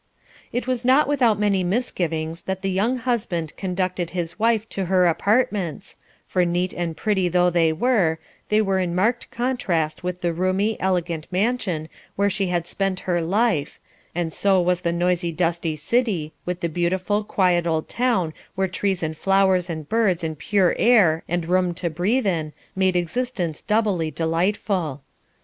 It was not without many misgivings that the young husband conducted his wife to her apartments, for neat and pretty though they were, they were in marked contrast with the roomy, elegant mansion where she had spent her life, and so was the noisy, dusty city with the beautiful, quiet old town where trees and flowers and birds and pure air and room to breathe in, made existence doubly delightful.